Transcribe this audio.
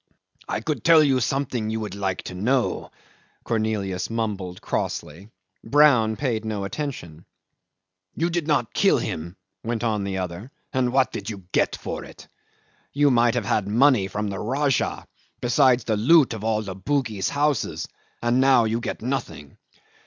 "I could tell you something you would like to know," Cornelius mumbled crossly. Brown paid no attention. "You did not kill him," went on the other, "and what do you get for it? You might have had money from the Rajah, besides the loot of all the Bugis houses, and now you get nothing."